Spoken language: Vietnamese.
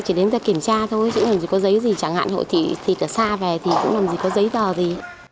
chỉ đến giờ kiểm tra thôi chẳng làm gì có giấy gì chẳng hạn thịt ở xa về thì cũng làm gì có giấy tờ gì